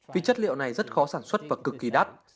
vì chất liệu này rất khó sản xuất và cực kỳ đắt